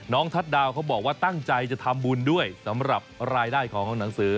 ทัศน์ดาวเขาบอกว่าตั้งใจจะทำบุญด้วยสำหรับรายได้ของหนังสือ